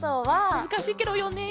むずかしいケロよね。